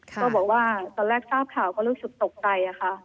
ก็บอกว่าตอนแรกทราบข่าวก็รู้สึกตกใจค่ะ